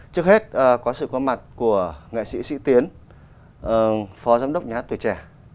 trước hết có sự có mặt của nghệ sĩ sĩ tiến phó giám đốc nhà hát tuổi trẻ